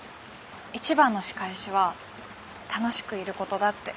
一番の仕返しは楽しくいることだって。